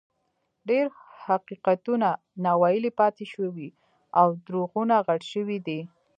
ډېر حقیقتونه ناویلي پاتې شوي او دروغونه غټ شوي دي.